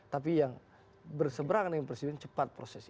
tapi yang berseberang dengan presiden cepat proses